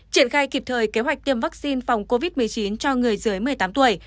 triển khai kịp thời kế hoạch tiêm vaccine phòng covid một mươi chín cho người dưới một mươi tám tuổi